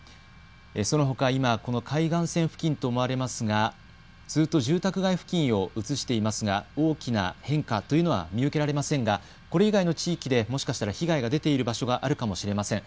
そのほか今、この海岸線付近と思われますがずっと住宅街付近を映していますが、大きな変化というのは見受けられませんが、これ以外の地域で、もしかしたら被害が出ている場所があるかもしれません。